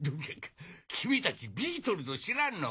君たちビートルズを知らんのか？